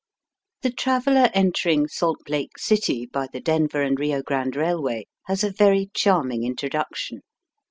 The traveller entering Salt Lake City by the Denver and Eio Grande Eailway has a very charming introduction.